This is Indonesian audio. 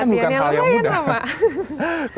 latihan yang luar biasa